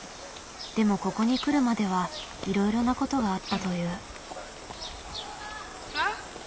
でもここに来るまではいろいろなことがあったという。